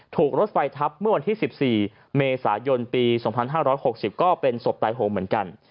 ถูกรถไฟทับเมื่อวันที่๑๔เมษายนปี๒๕๖๐ก็เป็นศพตายโหงเหมือนกัน